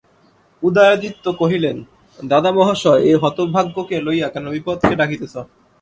উদয়াদিত্য কহিলেন, দাদামহাশয়, এ-হতভাগ্যকে লইয়া কেন বিপদকে ডাকিতেছ।